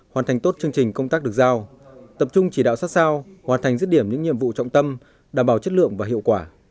hoàn thành tốt chương trình công tác được giao tập trung chỉ đạo sát sao hoàn thành dứt điểm những nhiệm vụ trọng tâm đảm bảo chất lượng và hiệu quả